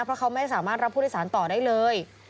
เพราะเขาไม่สามารถรับผู้โดยสารต่อได้เลย